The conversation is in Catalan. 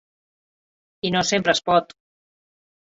I no sempre es pot.